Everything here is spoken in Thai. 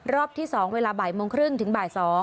รอบที่๒เวลาบ่ายโมงครึ่งถึงบ่าย๒